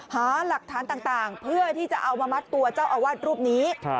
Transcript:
หาหลักฐานต่างเพื่อที่จะเอามามัดตัวเจ้าอาวาสรูปนี้